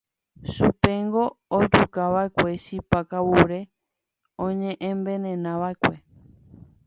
Chupéngo ojukava'ekue chipa kavure oñe'envenenava'ekue.